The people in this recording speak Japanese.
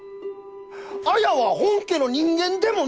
綾は本家の人間でもない！